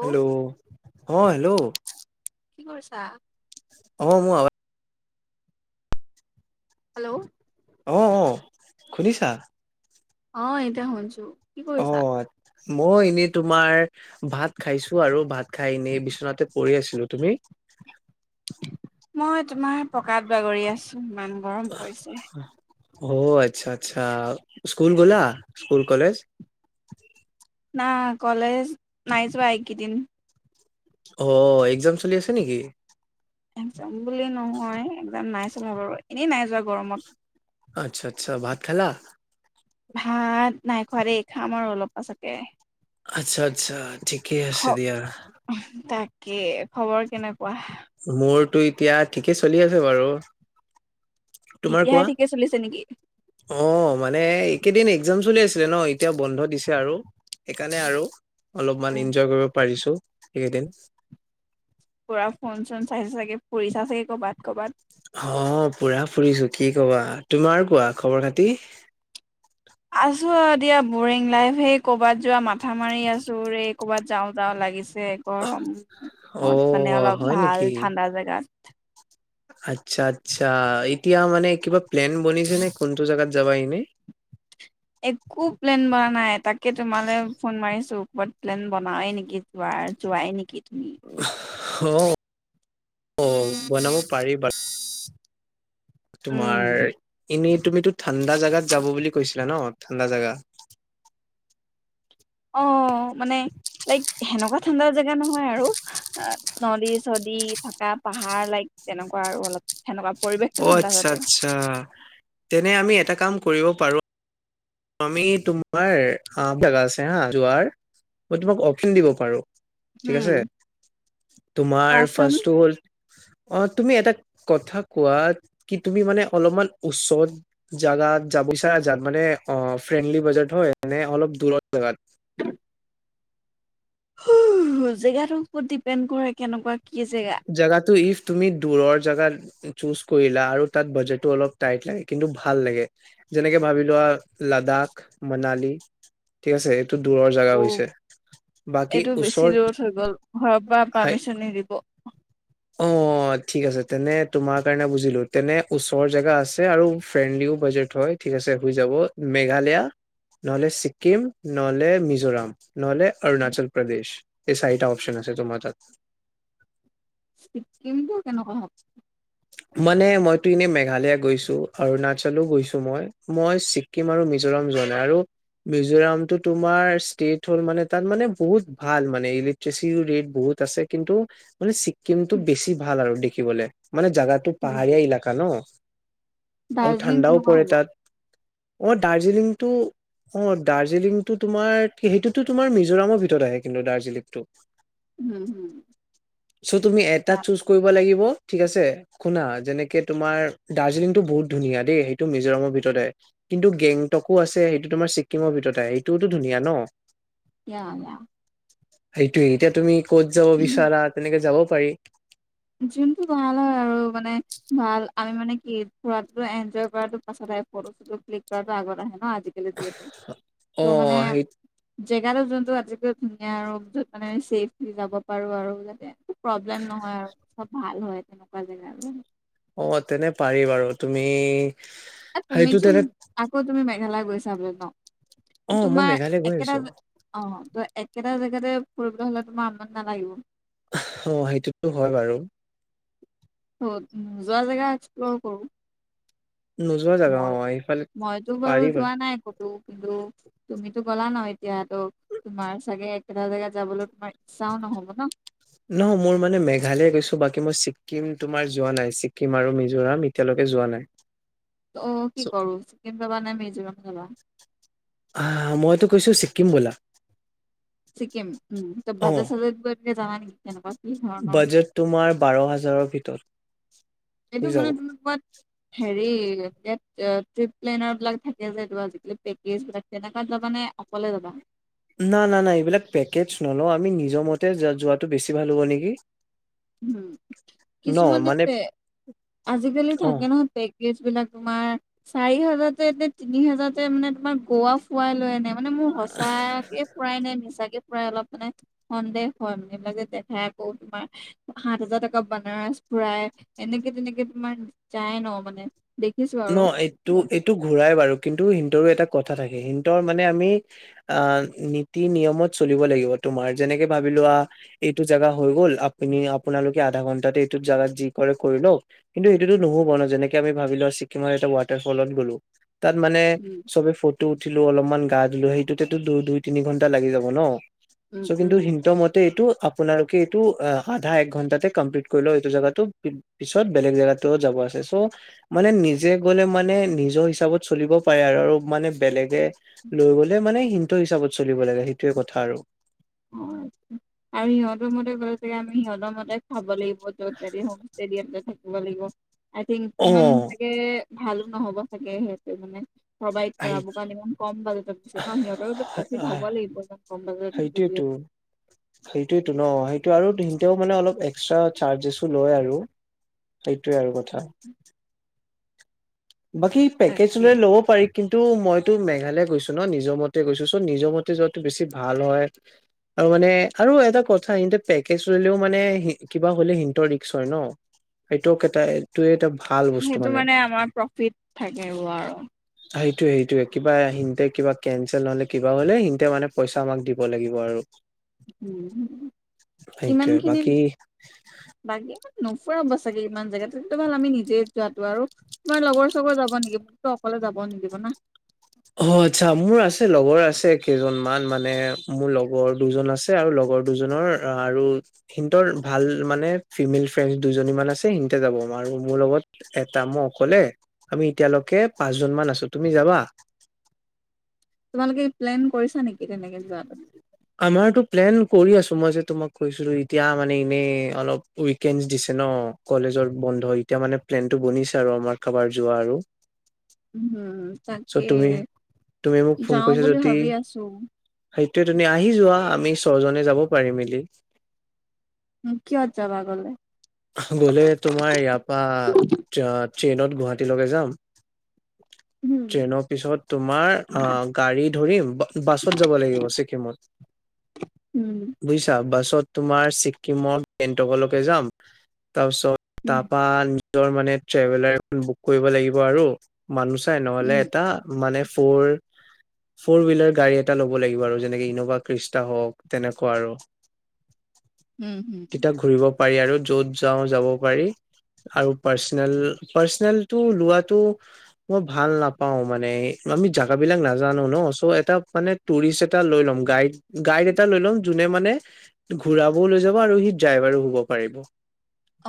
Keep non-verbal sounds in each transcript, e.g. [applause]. Hello, অ hello কি কৰিছা? অ' মোৰ [unintelligible] হেল্ল' অ' অ' শুনিছা অ' এতিয়া শুনছো। অ' মই এনেই তোমাৰ ভাত খাইছো আৰু ভাত খাই এনেই বিচনাতে পৰি আছিলো, তুমি? মই তোমাৰ পকাত বাগৰি আছো ইমান গৰম পৰিছে। অ আচ্ছা আচ্ছা, স্কুল গ'লা স্কুল কলেজ না কলেজ নাই যোৱা এইকিদিন অ এক্জাম চলি আছে নিকি? এক্জাম বুলি নহয় এক্জাম নাই চলা বাৰু এনেই নাই যোৱা গৰমত। আচ্ছা আচ্ছা, ভাত খালা? ভাত নাই খোৱা দেই খাম আৰু অলপ পাছতে। আচ্ছা আচ্ছা ঠিকে খ আছে দিয়া। তাকে, খবৰ কেনেকুৱা? মোৰতো এতিয়া ঠিকে চলি আছে বাৰু। তোমাৰ এতিয়াহে কোৱা ঠিকে চলিছে নিকি? অ মানে একেদিন এক্জাম চলি আছিলে ন এতিয়া বন্ধ দিছে আৰু। সেইকাৰণে আৰু অলপমান উম ইনজয় কৰিব পাৰিছো এইকেইদিন। পুৰা ফোন চোন চাইছা চাগে, ফুৰিছা চাগে ক'বাত ক'বাত। অ পুৰা ফুৰিছো কি কবা, তোমাৰ কোৱা খৱৰ-খাতি আছোঁ আৰু দিয়া বৰিং লাইফ, সেই ক'বাত যোৱা মাথা মাৰি আছোঁ ৰে ক'বাত যাওঁ যাওঁ লাগিছে। গৰমত মানে অ', অলপ হয় ভাল নেকি? ঠাণ্ডা জেগাত। আচ্ছা আচ্ছা এতিয়া মানে কিবা প্লেন বনিছে নে কোনটো জাগাত যাবা এনে? একো প্লেন বনা নাই, তাকে তোমালে ফোন মাৰিছো কবাত প্লেন বনাওঁৱে নেকি। ৱাত যোৱাই নিকি তুমি। অ অ বনাব পাৰি বাত উম তোমাৰ এনেই তুমিতো ঠাণ্ডা জাগাত যাব বুলি কৈছিলা ন ঠাণ্ডা জাগা। অ মানে লাইক সেনেকুৱা ঠাণ্ডা জেগা নহয় আৰু নদী-চদী থাকা পাহাৰ লাইক তেনেকুৱা আৰু অলপ সেনেকুৱা পৰিৱেশটো ঠাণ্ডা আচ্ছা যাতে। অ আচ্ছা তেনে আমি এটা কাম কৰিব পাৰো- আমি তোমাৰ হা জাগা আছে হা যোৱাৰ, মই তোমাক অপচন দিব পাৰো। ঠিক আছে, হম তোমাৰ কোৱাচোন ফাৰ্ষ্টটো হ'ল অ তুমি এটা কথা কোৱা কি তুমি মানে অলপমান ওচৰত জাগাত যাব বিচাৰা যাত মানে অ ফ্ৰেণ্ডলি বাজেট হয় অলপ দূৰৰ জাগাত। [unintelligible] জেগাটোৰ ওপৰত ডিপেণ্ড কৰে কেনেকুৱা কি জেগা। জেগাতটো ইফ তুমি দূৰৰ জাগাত চুজ কৰিলা আৰু তাত বাজেটো অলপ টাইট লাগে কিন্তু ভাল লাগে। যেনেকে ভাবি লোৱা লাদাখ, মানালী ঠিক আছে। টো দূৰৰ জেগা অ হৈছে। বাকী এইটো বেছি ওচৰত দূৰত হৈ গ'ল ঘৰৰ পা হাই পাৰ্মিচন নিদিব। অ অ ঠিক আছে তেনে তোমাৰ কাৰণে বুজিলো, তেনে ওচৰ জেগা আছে আৰু ফ্ৰেণ্ডলিও বাজেট হয়। ঠিক আছে হৈ যাব মেঘালয়া নহ'লে ছিকিম নহ'লে মিজোৰাম নহ'লে অৰুণাচল প্ৰদেশ। এই চাৰিটা অপচন আছে তোমাৰ তাত। ছিক্কিমটো কেনেকুৱা হ'ব? মানে মইতো এনে মেঘালায়া গৈছোঁ অৰুণাচলো গৈছোঁ মই, মই ছিক কিম আৰু মিজোৰাম যোৱা নাই আৰু মিজোৰামটো তোমাৰ ষ্টেট হ'ল মানে তাত মানে বহুত ভাল মানে ইলেক ট্ৰেচিয় ৰেট বহুত আছে কিন্তু মানে ছিক্কিমটো বেছি ভাল আৰু দেখিবলৈ। মানে জাগাটো উম পাহাৰীয়া এলেকা ন আৰু দাৰ্জিলিং ঠাণ্ডাও কেনেকুৱা পৰে হ'ব তাত। অঁ দাৰ্জিলিংটো অ দাৰ্জিলিংটো তোমাৰ, সেইটোতো তোমাৰ মিজোৰামৰ ভিতৰত আহে কিন্তু দাৰ্জিলিংটো। উম হুম। চ' তুমি এটা চুজ কৰিব লাগিব ঠিক আছে, শুনা যেনেকে তোমাৰ দাৰ্জিলিংটো বহুত ধুনীয়া দেই সেইটো মিজোৰামৰ ভিতৰতে আহে। কিন্তু গেংটকো আছে সেইটো তোমাৰ ছিক্কিমৰ ভিতৰতে আহে সেইটোওতো ধুনীয়া ন। য়া য়া। সেইটোয়ে এতিয়া তুমি ক'ত যাব বিচাৰা, তেনেকে যাব পাৰি। যোনটো ভাল হয় আৰু মানে ভাল আমি মানে কি ফুৰাটো, এনজয় কৰাটো পাছত আহে, ফটো চটো ক্লিক কৰাটো আগত আহে ন। [unintelligible] অ ত' মানে সেই জেগাটো যোনটো আজিকালি ধুনীয়া আৰু য'ত মানে ছেফলি যাব পাৰো আৰু যাতে। প্ৰব্লেম নহয় আৰু চব ভাল হয় তেনেকুৱা জেগা আৰু। অ' তেনে পাৰি বাৰু তুমি এই সেইটো তুমিচোন তেনে আকৌ তুমি মেঘালয় গৈছা বোলে অ ন? মই তোমাৰ মেঘালয় গৈ একেটা আহিছো অ' ত' একেটা জেগাতে ফুৰিবলৈ হ'লে তোমাৰ আমনি নালাগিব। অ সেইটোতো হয় বাৰু। তো নোযোৱা জেগা এক্সপ্ল'ৰ কৰোঁ। নোযোৱা জাগা অ মই এইফালে মইতো বাৰু যোৱা নাই ক'তো। কিন্তু তুমিটো গ'লা ন এতিয়া ত' তোমাৰ চাগে একেটা জেগাত যাবলৈ তোমাৰ ইচ্ছাও নহ'ব ন। নহয় মোৰ মানে মেঘালয়া গৈছো বাকী মই ছিক্কিম তোমাৰ যোৱা নাই। ছিক্কিম আৰু মিজোৰাম। এতিয়ালৈকে যোৱা নাই। অ', কি কৰো ছিকিম যাবা নে মিজোৰাম যাবা? আহ মইতো কৈছো ছিক্কিম ব'লা। চিক্কিম উম। ত' অ বাজেট চাজেত কিবা জানা নেকি তেনেকুৱা? বাজেট তোমাৰ বাৰ হাজাৰৰ ভিতৰত। এইটো হৈ যাব মানে তুমি কোৱাত হেৰি টেট ট্ৰিপ প্লেনাৰবিলাক থাকে যে কিবা আজিকালি পেকেজবিলাক তেনেকুৱাত যাবা নে অকলে যাবা? না, না, না এইবিলাক পেকেজ নলওঁ, আমি নিজৰ মতে যোৱাটো বেছি ভাল হ'ব নেকি? উম, ন কিছুমানে মানে যে আজিকালি অ থাকে নহয় পেক কেজবিলাক তোমাৰ চাৰি হাজাৰতে নে তিনি হাজাৰতে মানে তোমাৰ গোৱা ফুৱাই লৈ আনে। মানে মোৰ সঁচাকে ফুৰাই নে মিচাকে ফুৰাই অলপ মানে সন্দেহ হয় মানে এইবিলাক যে দেখাই আকৌ তোমাৰ সাত হাজাৰ টকাত বানাৰস ফুৰাই, এনেকে তেনেকে তোমাৰ যায় ন মানে। দেখিছো আৰু ন এইটো এইটো ঘূৰাই বাৰু কিন্তু সিহঁতৰো এটা কথা থাকে। সিহঁতৰ মানে আমি আ নীতি নিয়মত চলিব লাগিব তোমাৰ। যেনেকে ভাবি লোৱা এইটো জেগা হৈ গ'ল, আপুনি আপোনালোকে আধা ঘন্টাতে এইটো জাগাত যি কৰে কৰি লওক কিন্তু সেইটোতো ন'হব ন, যেনেক আমি ভাবি লোৱা ছিক্কিম তোমাৰ এটা ৱাটাৰ ফলত গ'লো। তাত মানে উম চবে ফ টো উঠিলো অলপমান গা-ধুলো। সেইটোতে দুই দুই তিনি ঘন্টা লাগি যাব ন'? উম চ' কিন্তু উম সিহঁতৰ মতে এইটো আপোনালোকে এইটো আধা এক ঘন্টাতে কমপ্লিট কৰিলওঁক এইটো জেগাটো। পিছত বেলেগ জেগাটো যাব আছে চ' মানে নি জে গ'লে মানে নিজৰ হিচাপত চলিব পাৰে আৰু আৰু মানে বেলেগে লৈ গ'লে মানে সিহঁতৰ হিচাপত চলিব লাগে সেইটোৱে কথা আৰু। অ', আৰু সিহঁতৰ মতে গৈ পেলাই আমি সিহঁতৰ মতে খাব লাগিব। ত' এদিন হোমষ্টেত থাকিব লাগিব। আই থিংক অ ইমান কে ভালো ন'হব চাগে সেইটো মানে। প্ৰভাইত আহি কৰাব কাৰণ ইমান কম বাজেটত দিছে ন'। সিহঁতৰোটো প্ৰফিট হ'ব লাগিব ইমান ক'ম বাজেটত। সেইটোৱেটো। যিহেতু। সেইটোয়েটো ন' সেইটো আৰু সিহঁতেও মানে অলপ এক্সট্ৰা চাৰ্জেছো লয় আৰু। সেইটোয়ে আৰু কথা। বাকি পেকেজ হ'লে তাকে ল'ব পাৰি। কিন্তু মইতো মেঘালয়া গৈছো ন', নিজৰ মতে গৈছো। চ' নিজৰ মতে যোৱাটো বেছি ভাল হয়। আৰু মানে আৰু এটা কথা, ইহঁতে পেকেজ ল'লেও মানে কিবা হ'লে সিহঁতৰ ৰিক্স হয় ন'! সেইটোক এটা এইটোয়ে এটা ভাল বস্তু মানে। আমাৰ প্ৰফিট। থাকিব আৰু। সেইটোয়ে সেইটোয়ে কিবা সিহতে কিবা কেনচেল নহ'লে কিবা হ'লে সিহতে মানে পইচা আমাক দিব লাগিব আৰু। সেইটোয়ে ইমানখিনি বাকী বাকী ইমান নুফুৰাব চাগে ইমান জেগাত তেন্তটো ভাল আমি নিজে যোৱাটো আৰু তোমাৰ লগৰ-চগৰ যাব নিকি [unintelligible] তো অকলে যাবও নিদিব না। অ', আচ্ছা, মোৰ আছে লগৰ আছে কেইজন মান মানে মোৰ লগৰ দুজন আছে। আৰু লগৰ দুজনৰ আৰু সিহঁতৰ ভাল মানে ফিমেল ফ্ৰেণ্ড দুইজনী মান আছে সিহতে যাব আৰু মোৰ লগত এটা মই অকলে আমি, এতিয়ালৈকে পাঁচ জন মান আছো তুমি যাবা? তোমালোকে প্লেন কৰিছা নেকি তেনেকে যোৱাটো? [inaudible] আমাৰতো প্লেন কৰি আছো মই যে তোমাক কৈছিলো এতিয়া মানে এনেই অলপ উইকেণ্ড দিছে ন'! কলেজৰ বন্ধ এতিয়া মানে প্লেনটো বনিছে আৰু আমাৰ কাৰবাৰ যোৱা আৰু। উম, চ' তাকেই তুমি তুমি যাওঁ বুলি ভাবি আছো। সেইটোয়ে তুমি আহি যোৱা আমি ছজনে যাব পাৰিম মিলি। উম, কিহত যাবা‌ গ'লে? গ'লে তোমাৰ ইয়াৰ পা ট্ৰেইনত গুৱাহাটীলৈকে যাম। উম। [inaudible] ট্ৰেইনৰ পিছত তোমাৰ গাড়ী ধৰিম বাছত যাব লাগিব ছিকিমত। উম। বুজিছা বাছত তোমাৰ ছিক্কিমৰ গেংটকৰলৈকে যাম তাৰপিছত উম, তাৰপা নিজৰ মানে ট্ৰেভেলাৰ এখন বুক কৰিব লাগিব আৰু। মানু চাই উম, নহ'লে এটা মানে ফ'ৰ ফ'ৰ হুইলাৰ গাড়ী এটা ল'ব লাগিব আৰু যেনেকে ইন'ভা ক্ৰিষ্টা হ'ওক তেনেকুৱা আৰু। উম, উম। তেতয়া ঘুৰিব পাৰি আৰু য'ত যাওঁ যাব পাৰি। আৰু পাৰ্চনেল পাৰ্চনেলটো লোৱাটো মই ভাল নাপাওঁ মানে, আমি জাগা বিলাক নজানো ন, চ' মানে টুৰিষ্ট এটা লৈ ল'ম, গাইড গাইড এটা লৈ ল'ম যোনে মানে ঘুৰাবও লৈ যাব আৰু সি ড্ৰাইভাৰো হ'ব পাৰিব।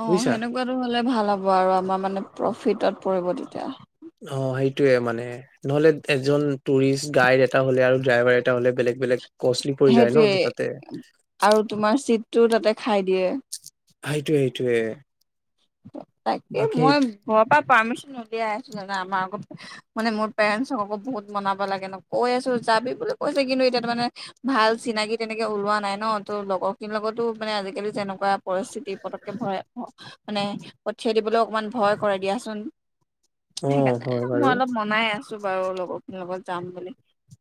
অ' বুজিছা সেনেকুৱাটো হ'লে ভাল আৰু আমাৰ মানে প্ৰফিটত পৰিব তেতিয়া। অ' সেইটোয়ে মানে নহ'লে এজন টুৰিষ্ট গাইড এটা হ'লে আৰু ড্ৰাইভাৰ এটা হ'লে বেলেগ বেলেগ কষ্টলি পৰি যায় ন সেইটোৱে দুটাতে। আৰু তোমাৰ চিটটো তাতে খাই দিয়ে। সেইটোয়ে, সেইটোয়ে। তাকে বাকী মই ঘৰৰ পৰা পাৰ্মিশন উলিয়াই আছো জানা, আমাৰ আক' মানে মোৰ পেৰেণ্টছক আকৌ বহুত মনাব লাগে ন, কৈ আছোঁ যাবি বুলি কৈছে। কিন্তু এতিয়া মানে ভাল চিনাকি তেনেকুৱা ওলোৱা নাই ন, ত' লগৰ লগতো আজিকালি যেনেকুৱা পৰিস্থিতি পতককে ভৰা মানে পঠিয়াই দিবলৈ অকমান ভয় কৰে দিয়াচোন। অ সেইকাৰণে হয় মই বাৰু অলপ মনাই আছো বাৰু লগৰখিনিৰ লগত যাম বুলি।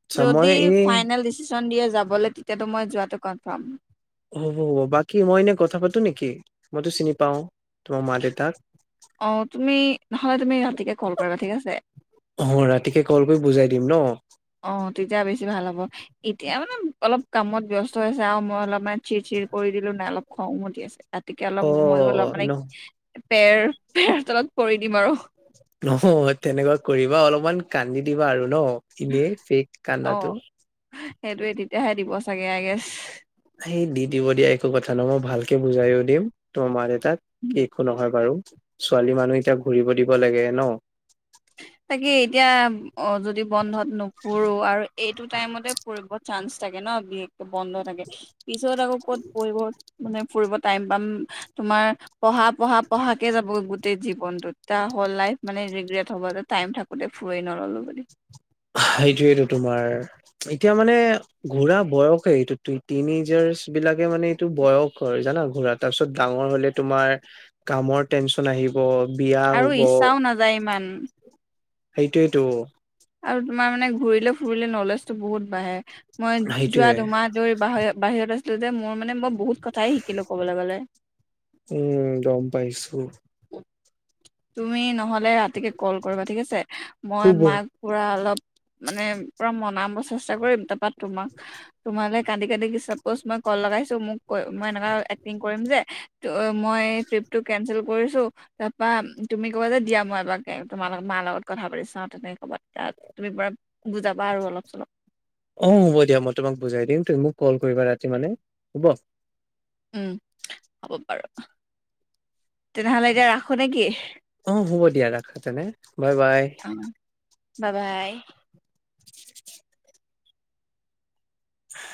আচ্ছা মই যদি এনে ফাইনেল ডিচিশ্যন দিয়ে যাবলে, মই যোৱাটো কনফ্ৰাম। হ'ব, হ'ব। বাকী মই এনেই কথা পাতো নেকি? মইতো চিনি পাওঁ তোমাৰ মা দেউতাক। অ' তুমি নহ'লে তুমি ৰাতিকে কল কৰিবা ঠিক আছে। হ'ব ৰাতিকে কল কৰি বুজাই দিম ন। অ' তেতিয়া বেছি ভাল হ'ব, এতিয়া মানে কামত ব্যস্ত হৈছে। মই অলপ মান চিৰ চিৰ কৰি দিলো, নাই অলপ খং উঠি আছে। ৰাতিকে অলপ অ মইও অলপ মানে ন পেৰ পেৰত অলপ পৰি দিম আৰু। ন তেনেকুৱা কৰিবা, অলপমান কান্দি দিবা আৰু ন এনেই ফে'ক কান্দাটো। সেইটোয়ে তেতিয়াহে দিব চাগে ইয়েচ। সেই দি দিব দিয়া একো কথা ন, মই ভালকে বুজাই দিম তোমাৰ মা দেউ তাক একো নহয় বাৰু, ছোৱালী মানুহ এতিয়া ঘূৰিব দিব লাগে ন। তাকে এতিয়া অ' যদি বন্ধত নুফুৰো আৰু এইটো টাইমতে ফুৰিব চান্স থাকে ন বিশেষকে বন্ধ থাকে। পিছত আকৌ ক'ত ফুৰিব মানে ফুৰিব টাইম পাম। তোমাৰ পঢ়া, পঢ়া, পঢ়া কে যাবগৈ গোটেই জীৱনতোত, তেতিয়া হ'ল লাইফ মানে ৰিগ্ৰেট হ'ব টাইম থাকোতে ফুৰেই ন'ললো বুলি। সেইটোয়েটো তোমাৰ, এতিয়া মানে ঘূৰা বয়সে এইটো, টিনেজাৰ্চ বিলাকে মানে এইটো বয়স হয় জানা ঘূৰা। তাৰপিছত ডাঙৰ হ'লে তোমাৰ কামৰ টেন্স ন আহিব বিয়া আৰু হ'ব ইচ্ছাও নাযায় ইমান সেইটোয়েইতো। আৰু তোমাৰ মানে ঘূৰিলে ফুৰিলে নলেজটো বহুত বাঢ়ে। মই যোৱা সেইটোয়ে দুমাহ দূৰ বাহিৰ বাহিৰত আছিলো যে, মোৰ মানে মই বহুত কথাই শিকিলো ক'বলৈ গ'লে। উম, গ'ম পাইছো। উ তুমি নহ'লে ৰাতিকে কল কৰিবা ঠিক আছে। মই শুব মাক পুৰা অলপ মানে পুৰা মনাব চেষ্টা কৰিম। তাৰপৰা তোমাক তোমালৈ কান্দি কান্দি চাপজ মই কল লগাইছো, মোক ক মই এনেকুৱা এক্টিং কৰিম যে ত' মই ট্ৰিপটো কেঞ্চেল কৰিছো তাৰপা তুমি ক'বা যে দিয়া মই এপাক তোমাৰ লগত মাৰ লগত কথা পাতি চাওঁ তেনেকে ক'বা। তাত তুমি পুৰা বুজাবা আৰু অলপ চলপ অ' হ'ব দিয়া মই তোমাক বুজাই দিম, তুমি মোক কল কৰিবা ৰাতি মানে হ'ব। উম, হ'ব বাৰু, তেনেহ'লে এতিয়া ৰাখো নে কি? অ' হ'ব দিয়া ৰাখাতেনে বাই বাই। অ' বা বাই।